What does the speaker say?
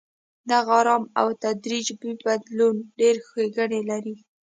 دغه ارام او تدریجي بدلون ډېرې ښېګڼې لري.